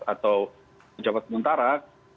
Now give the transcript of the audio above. atau menjabat mentara